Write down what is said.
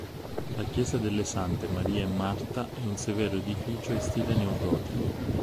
La chiesa delle Sante Maria e Marta è un severo edificio in stile neogotico.